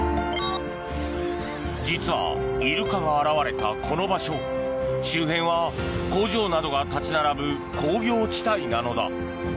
実はイルカが現れたこの場所周辺は工場などが立ち並ぶ工業地帯なのだ。